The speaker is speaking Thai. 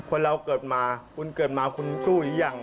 คนเราเกิดมาคุณเกิดมาคุณสู้หรือยัง